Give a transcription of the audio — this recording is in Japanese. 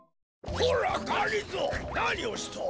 こらがりぞーなにをしておる？